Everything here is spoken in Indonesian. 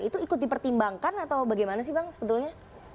itu ikut dipertimbangkan atau bagaimana sih bang sebetulnya